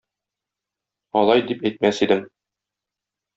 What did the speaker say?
Алай дип әйтмәс идем.